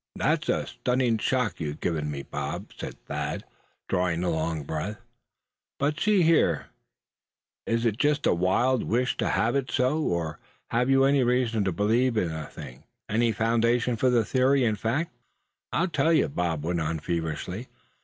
"That's a stunning shock you've given me, Bob," said Thad, drawing a long breath; "but see here, is it just a wild wish to have it so; or have you any reason to believe such a thing; any foundation for the theory, in fact?" "I'll tell you, suh," Bob went on, feverishly.